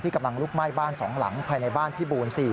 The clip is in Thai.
ที่กำลังลุกไหม้บ้านสองหลังภายในบ้านพี่บูรรณ์๔